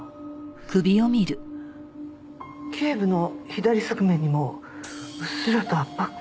頸部の左側面にもうっすらと圧迫痕が。